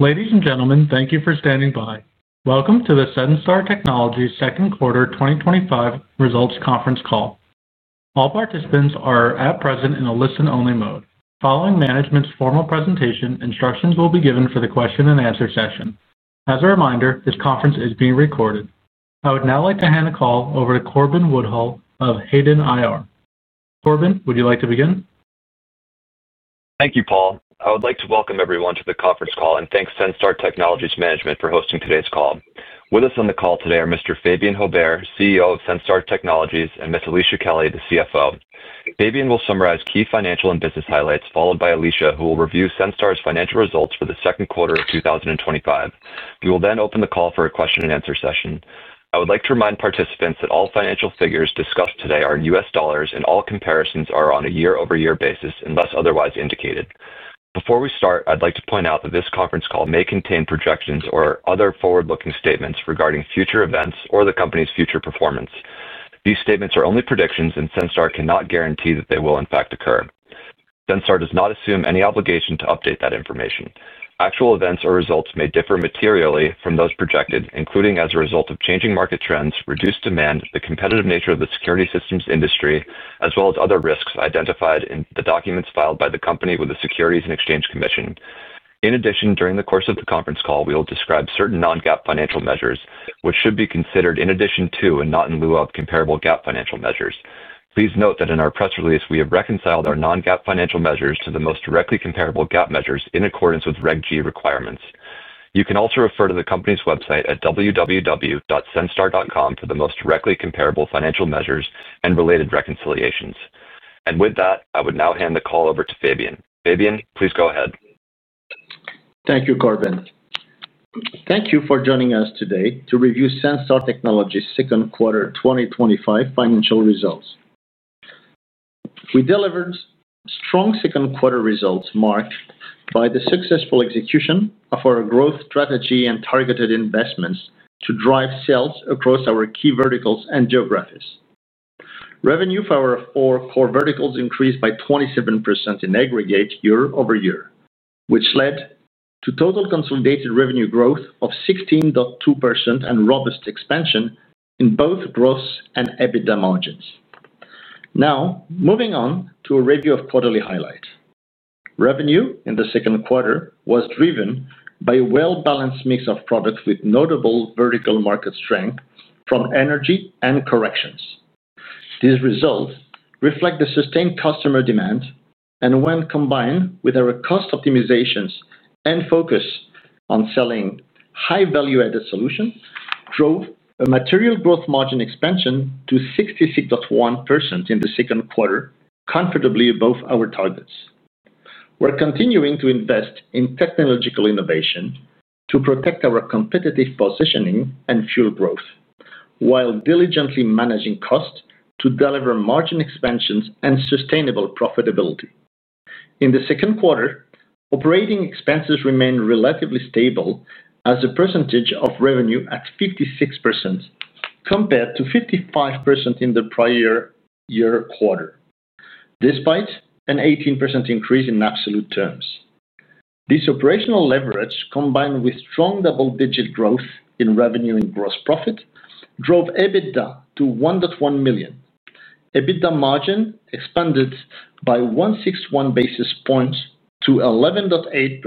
Ladies and gentlemen, thank you for standing by. Welcome to the Senstar Technologies Second Quarter 2025 Results Conference Call. All participants are at present in a listen-only mode. Following management's formal presentation, instructions will be given for the question-and-answer session. As a reminder, this conference is being recorded. I would now like to hand the call over to Corbin Woodhull of Hayden IR. Corbin, would you like to begin? Thank you, Paul. I would like to welcome everyone to the conference call, and thanks to Senstar Technologies Management for hosting today's call. With us on the call today are Mr. Fabien Haubert, CEO of Senstar Technologies, and Ms. Alicia Kelly, the CFO. Fabien will summarize key financial and business highlights, followed by Alicia, who will review Senstar's Financial Results for the Second Quarter of 2025. We will then open the call for a question-and-answer session. I would like to remind participants that all financial figures discussed today are in US dollars, and all comparisons are on a year-over-year basis unless otherwise indicated. Before we start, I'd like to point out that this conference call may contain projections or other forward-looking statements regarding future events or the company's future performance. These statements are only predictions, and Senstar cannot guarantee that they will, in fact, occur. Senstar does not assume any obligation to update that information. Actual events or results may differ materially from those projected, including as a result of changing market trends, reduced demand, the competitive nature of the security systems industry, as well as other risks identified in the documents filed by the company with the Securities and Exchange Commission. In addition, during the course of the conference call, we will describe certain non-GAAP financial measures, which should be considered in addition to and not in lieu of comparable GAAP financial measures. Please note that in our press release, we have reconciled our non-GAAP financial measures to the most directly comparable GAAP measures in accordance with Reg G requirements. You can also refer to the company's website at www.senstar.com for the most directly comparable financial measures and related reconciliations. With that, I would now hand the call over to Fabien. Fabien, please go ahead. Thank you, Corbin. Thank you for joining us today to review Senstar Technologies' Second Quarter 2025 financial results. We delivered strong second-quarter results marked by the successful execution of our growth strategy and targeted investments to drive sales across our key verticals and geographies. Revenue for our core verticals increased by 27% in aggregate year-over-year, which led to total consolidated revenue growth of 16.2% and robust expansion in both gross and EBITDA margins. Now, moving on to a review of quarterly highlights. Revenue in the second quarter was driven by a well-balanced mix of products with notable vertical market strength from energy and corrections. These results reflect the sustained customer demand, and when combined with our cost optimizations and focus on selling high-value-added solutions, drove a material gross margin expansion to 66.1% in the second quarter, considerably above our targets. We're continuing to invest in technological innovation to protect our competitive positioning and fuel growth, while diligently managing costs to deliver margin expansions and sustainable profitability. In the second quarter, operating expenses remained relatively stable as a percentage of revenue at 56% compared to 55% in the prior year quarter, despite an 18% increase in absolute terms. This operational leverage, combined with strong double-digit growth in revenue and gross profit, drove EBITDA to $1.1 million. EBITDA margin expanded by 161 basis points to 11.8%.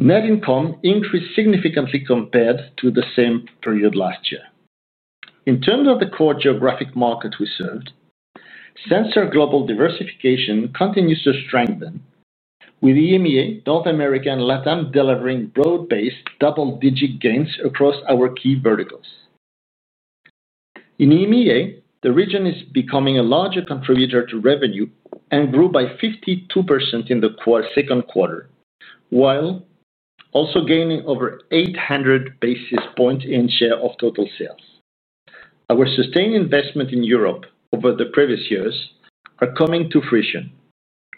Net income increased significantly compared to the same period last year. In terms of the core geographic market we serve, Senstar's global diversification continues to strengthen, with EMEA, North America, and LATAM delivering broad-based double-digit gains across our key verticals. In EMEA, the region is becoming a larger contributor to revenue and grew by 52% in the second quarter, while also gaining over 800 basis points in share of total sales. Our sustained investments in Europe over the previous years are coming to fruition,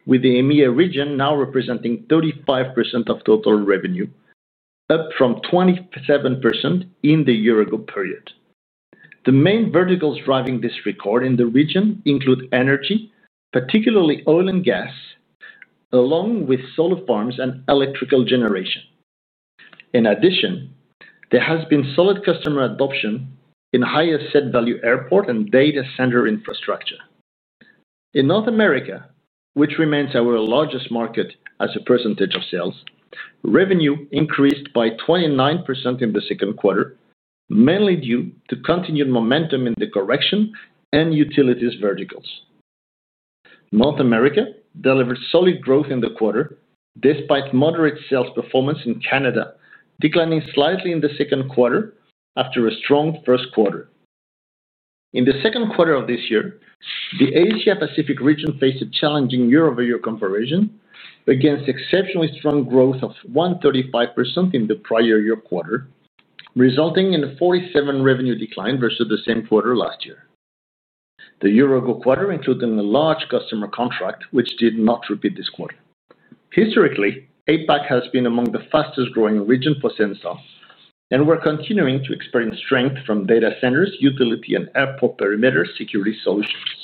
with the EMEA region now representing 35% of total revenue, up from 27% in the year-ago period. The main verticals driving this record in the region include energy, particularly oil and gas, along with solar farms and electrical generation. In addition, there has been solid customer adoption in higher set-value airport and data center infrastructure. In North America, which remains our largest market as a percentage of sales, revenue increased by 29% in the second quarter, mainly due to continued momentum in the corrections and utilities verticals. North America delivered solid growth in the quarter, despite moderate sales performance in Canada, declining slightly in the second quarter after a strong first quarter. In the second quarter of this year, the Asia-Pacific region faced a challenging year-over-year comparison against exceptionally strong growth of 135% in the prior year quarter, resulting in a 47% revenue decline versus the same quarter last year. The year-ago quarter included a large customer contract, which did not repeat this quarter. Historically, APAC has been among the fastest-growing regions for Senstar Technologies, and we're continuing to experience strength from data centers, utilities, and airport perimeter security solutions.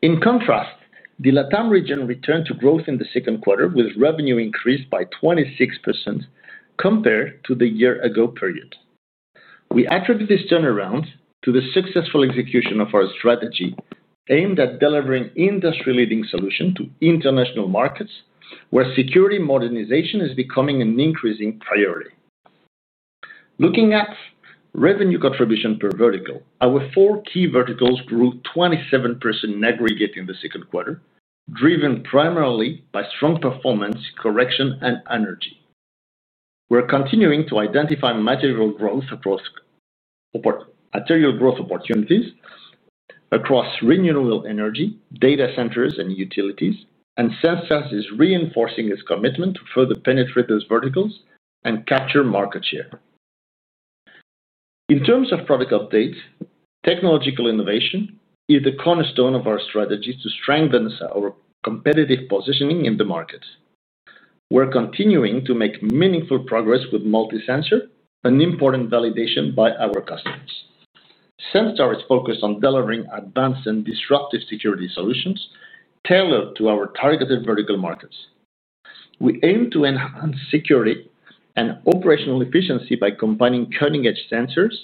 In contrast, the LATAM region returned to growth in the second quarter, with revenue increased by 26% compared to the year-ago period. We attribute this turnaround to the successful execution of our strategy aimed at delivering industry-leading solutions to international markets, where security modernization is becoming an increasing priority. Looking at revenue contribution per vertical, our four key verticals grew 27% in aggregate in the second quarter, driven primarily by strong performance in corrections and energy. We're continuing to identify material growth opportunities across renewable energy, data centers, and utilities, and Senstar Technologies is reinforcing its commitment to further penetrate those verticals and capture market share. In terms of product updates, technological innovation is the cornerstone of our strategy to strengthen our competitive positioning in the market. We're continuing to make meaningful progress with the MultiSensor, an important validation by our customers. Senstar Technologies is focused on delivering advanced and disruptive security solutions tailored to our targeted vertical markets. We aim to enhance security and operational efficiency by combining cutting-edge sensors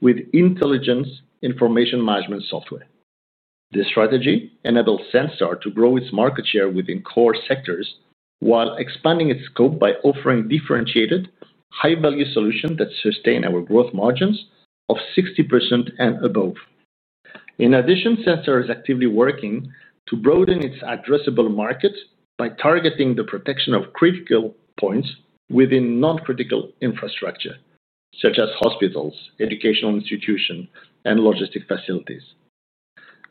with intelligent information management software. This strategy enables Senstar to grow its market share within core sectors while expanding its scope by offering differentiated, high-value solutions that sustain our gross margins of 60% and above. In addition, Senstar is actively working to broaden its addressable markets by targeting the protection of critical points within non-critical infrastructure, such as hospitals, educational institutions, and logistics facilities.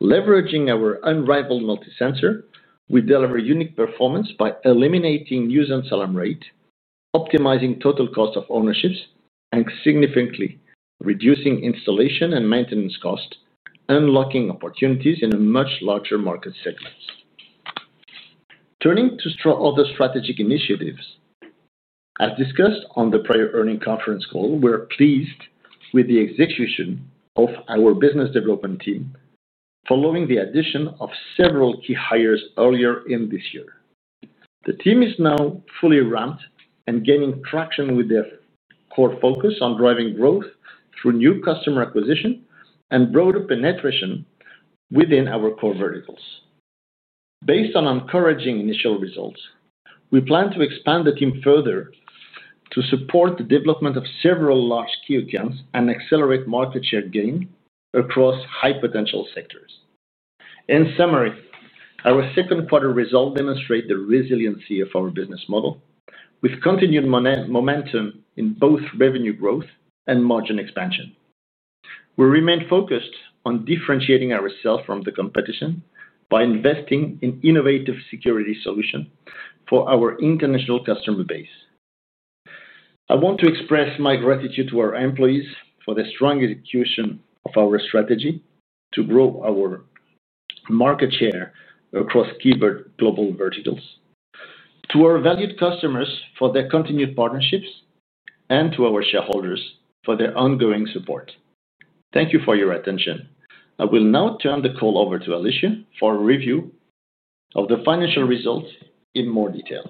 Leveraging our unrivaled MultiSensor, we deliver unique performance by eliminating user and selling rates, optimizing total cost of ownership, and significantly reducing installation and maintenance costs, unlocking opportunities in a much larger market segment. Turning to other strategic initiatives, as discussed on the prior earnings conference call, we're pleased with the execution of our business development team, following the addition of several key hires earlier in this year. The team is now fully ramped and gaining traction with their core focus on driving growth through new customer acquisition and broader penetration within our core verticals. Based on encouraging initial results, we plan to expand the team further to support the development of several large accounts and accelerate market share gain across high-potential sectors. In summary, our second-quarter results demonstrate the resiliency of our business model, with continued momentum in both revenue growth and margin expansion. We remain focused on differentiating ourselves from the competition by investing in innovative security solutions for our international customer base. I want to express my gratitude to our employees for the strong execution of our strategy to grow our market share across key global verticals, to our valued customers for their continued partnerships, and to our shareholders for their ongoing support. Thank you for your attention. I will now turn the call over to Alicia for a review of the financial results in more detail.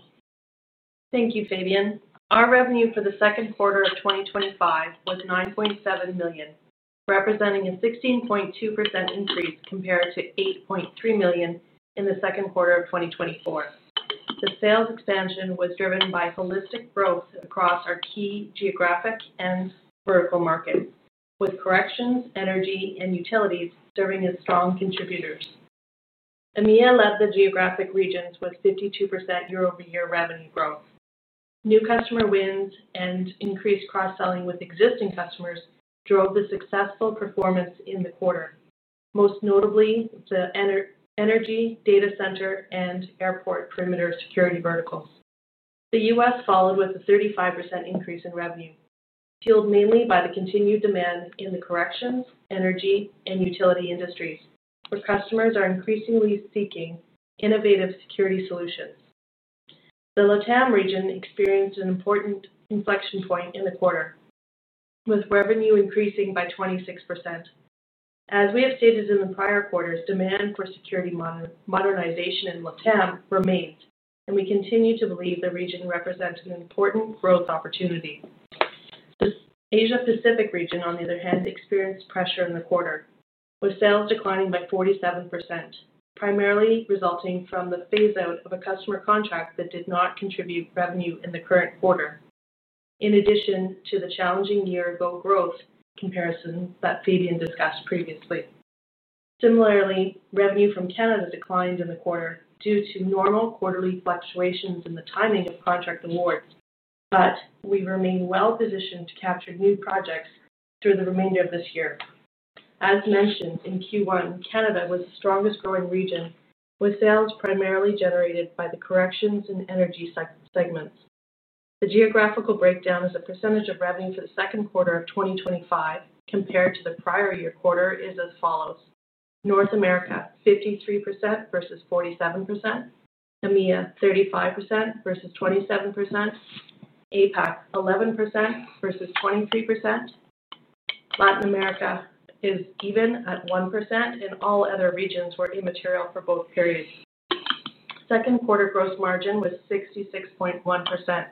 Thank you, Fabien. Our revenue for the second quarter of 2025 was $9.7 million, representing a 16.2% increase compared to $8.3 million in the second quarter of 2024. The sales expansion was driven by holistic growth across our key geographic and vertical markets, with corrections, energy, and utilities serving as strong contributors. EMEA-led geographic regions were 52% year-over-year revenue growth. New customer wins and increased cross-selling with existing customers drove the successful performance in the quarter, most notably the energy, data center, and airport perimeter security verticals. The U.S. followed with a 35% increase in revenue, fueled mainly by the continued demand in the corrections, energy, and utility industries, where customers are increasingly seeking innovative security solutions. The LATAM region experienced an important inflection point in the quarter, with revenue increasing by 26%. As we have stated in the prior quarters, demand for security modernization in Latin America remains, and we continue to believe the region represents an important growth opportunity. The Asia-Pacific region, on the other hand, experienced pressure in the quarter, with sales declining by 47%, primarily resulting from the phase-out of a customer contract that did not contribute revenue in the current quarter, in addition to the challenging year-ago growth comparison that Fabien discussed previously. Similarly, revenue from Canada declined in the quarter due to normal quarterly fluctuations in the timing of contract awards, but we remain well-positioned to capture new projects through the remainder of this year. As mentioned in Q1, Canada was the strongest growing region, with sales primarily generated by the corrections and energy segments. The geographical breakdown as a percentage of revenue for the second quarter of 2025 compared to the prior year quarter is as follows: North America 53% versus 47%, EMEA 35% versus 27%, Asia-Pacific 11% versus 23%, Latin America is even at 1%, and all other regions were immaterial for both periods. Second quarter gross margin was 66.1%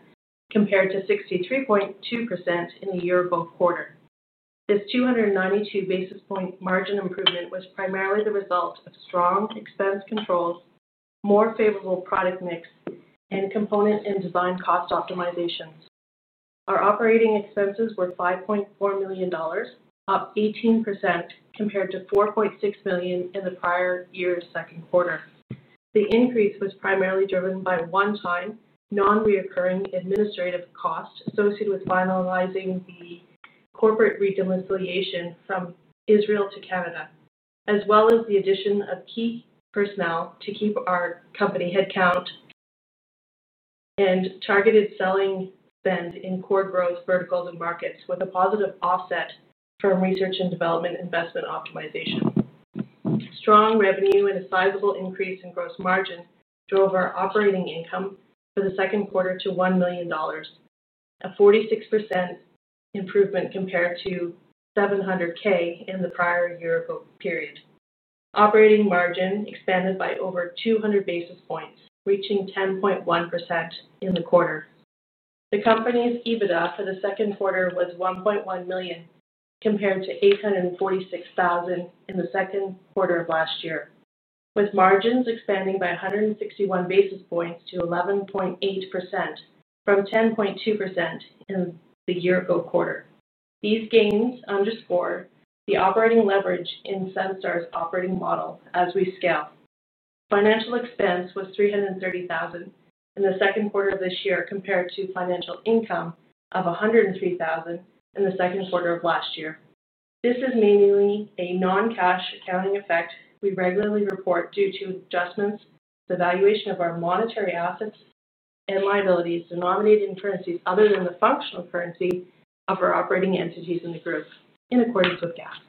compared to 63.2% in the year-ago quarter. This 292 basis point margin improvement was primarily the result of strong expense control, more favorable product mix, and component and design cost optimizations. Our operating expenses were $5.4 million, up 18% compared to $4.6 million in the prior year's second quarter. The increase was primarily driven by one-time, non-recurring administrative costs associated with finalizing the corporate redomiciliation from Israel to Canada, as well as the addition of key personnel to keep our company headcount and targeted selling spend in core growth verticals and markets, with a positive offset from research and development investment optimization. Strong revenue and a sizable increase in gross margins drove our operating income for the second quarter to $1 million, a 46% improvement compared to $700,000 in the prior year-ago period. Operating margin expanded by over 200 basis points, reaching 10.1% in the quarter. The company's EBITDA for the second quarter was $1.1 million compared to $846,000 in the second quarter of last year, with margins expanding by 161 basis points to 11.8% from 10.2% in the year-ago quarter. These gains underscore the operating leverage in Senstar's operating model as we scale. Financial expense was $330,000 in the second quarter of this year compared to financial income of $103,000 in the second quarter of last year. This is mainly a non-cash accounting effect we regularly report due to adjustments, the valuation of our monetary assets, and liabilities denominated in currencies other than the functional currency of our operating entities in the group, in accordance with GAAP.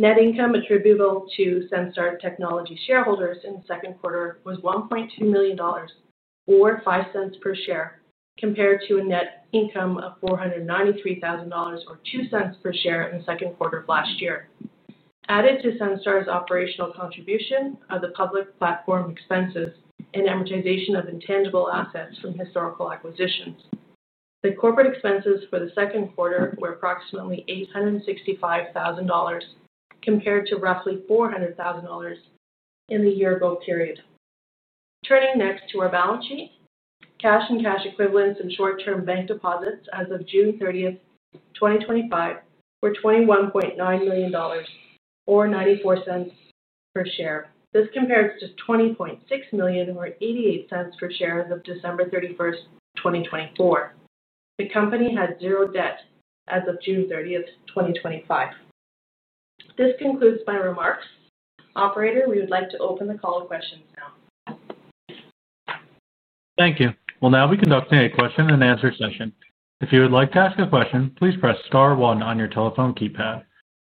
Net income attributable to Senstar Technologies shareholders in the second quarter was $1.2 million or $0.05 per share, compared to a net income of $493,000 or $0.02 per share in the second quarter of last year. Added to Senstar's operational contribution are the public platform expenses and amortization of intangible assets from historical acquisitions. The corporate expenses for the second quarter were approximately $865,000 compared to roughly $400,000 in the year-ago period. Turning next to our balance sheet, cash and cash equivalents and short-term bank deposits as of June 30, 2025 were $21.9 million or $0.94 per share. This compares to $20.6 million or $0.88 per share as of December 31, 2024. The company had zero debt as of June 30, 2025. This concludes my remarks. Operator, we would like to open the call to questions now. Thank you. We'll now be conducting a question-and answer session. If you would like to ask a question, please press star one on your telephone keypad.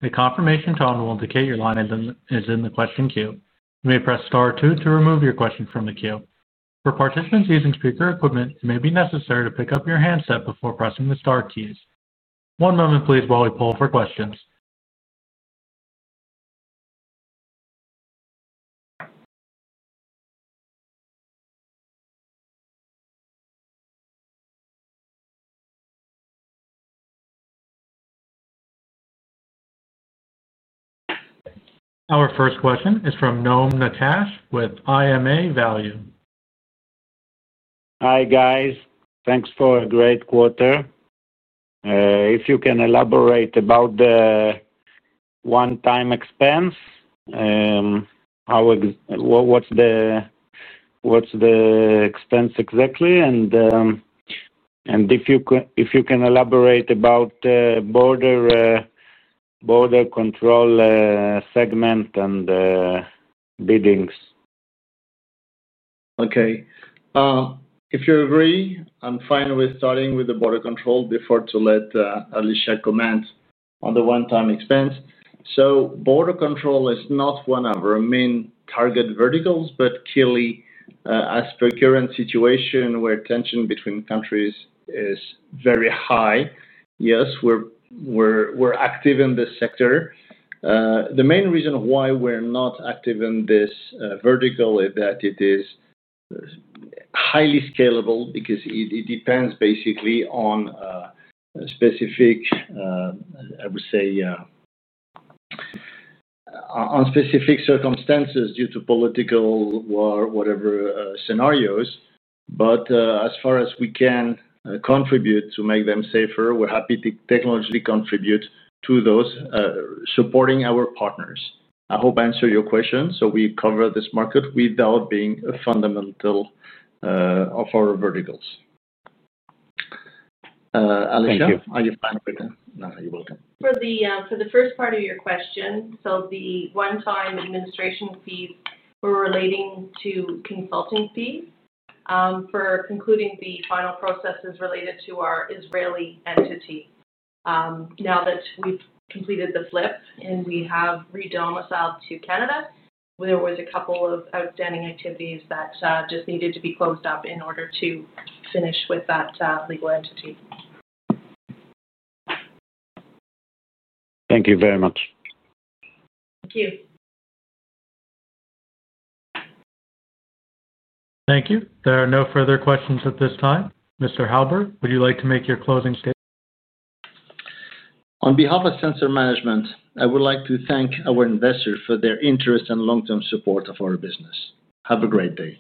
A confirmation tone will indicate your line is in the question queue. You may press star two to remove your question from the queue. For participants using speaker equipment, it may be necessary to pick up your handset before pressing the star keys. One moment, please, while we poll for questions. Our first question is from Noam Nakash with IMA Value. Hi, guys. Thanks for a great quarter. If you can elaborate about the one-time expense, what's the expense exactly? If you can elaborate about the border control segment and biddings. Okay. If you agree, I'm fine with starting with the border control before Alicia comments on the one-time expense. Border control is not one of our main target verticals, but clearly, as per the current situation where tension between countries is very high, yes, we're active in this sector. The main reason why we're not active in this vertical is that it is highly scalable because it depends basically on specific, I would say, on specific circumstances due to political war, whatever scenarios. As far as we can contribute to make them safer, we're happy to technologically contribute to those, supporting our partners. I hope I answered your question so we cover this market without being a fundamental of our verticals. Alicia, are you fine with that? No, you're welcome. For the first part of your question, the one-time administration fees were relating to consulting fees for concluding the final processes related to our Israeli entity. Now that we've completed the flip and we have redomiciled to Canada, there were a couple of outstanding activities that just needed to be closed up in order to finish with that legal entity. Thank you very much. Thank you. Thank you. There are no further questions at this time. Mr. Haubert, would you like to make your closing statement? On behalf of Senstar Management, I would like to thank our investors for their interest and long-term support of our business. Have a great day.